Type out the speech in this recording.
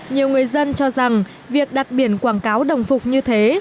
nhiều người dân cho rằng việc đặt biển quảng cáo đồng phục như thế